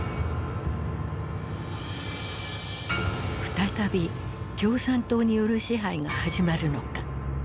再び共産党による支配が始まるのか。